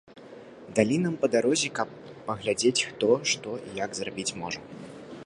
Далі нам па дарозе, каб паглядзець, хто, што і як зрабіць можа.